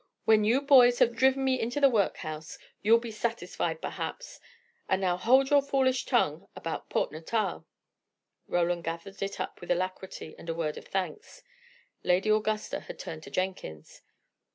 "When you boys have driven me into the workhouse, you'll be satisfied, perhaps. And now hold your foolish tongue about Port Natal." Roland gathered it up with alacrity and a word of thanks. Lady Augusta had turned to Jenkins.